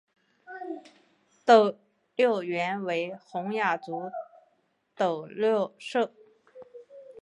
斗六原为洪雅族斗六社。